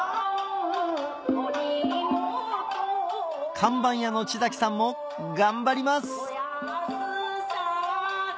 看板屋の地さんも頑張ります